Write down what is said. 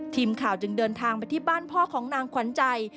ทีมข่าวจึงเดินทางไปที่บ้านพ่อของนางขวัญใจ